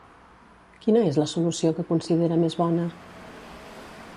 Quina és la solució que considera més bona?